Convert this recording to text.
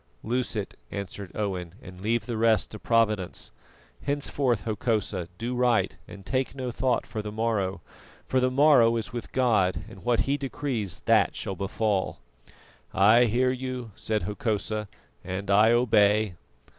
"Loose it," answered Owen, "and leave the rest to Providence. Henceforth, Hokosa, do right, and take no thought for the morrow, for the morrow is with God, and what He decrees, that shall befall." "I hear you," said Hokosa, "and I obey."